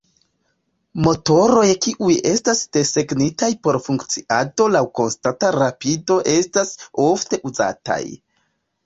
Motoroj kiuj estas desegnitaj por funkciado laŭ konstanta rapido estas ofte uzataj.